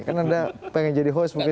karena anda pengen jadi host mungkin